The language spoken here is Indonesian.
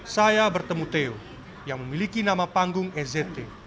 saya bertemu theo yang memiliki nama panggung ezt